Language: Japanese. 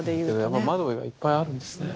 やっぱ窓がいっぱいあるんですね。